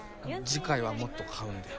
次回はもっと買うんで。